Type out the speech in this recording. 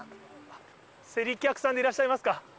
勢理客さんでいらっしゃいますか。